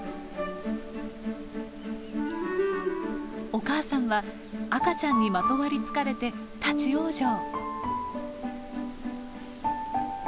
お母さんは赤ちゃんにまとわりつかれて立往生。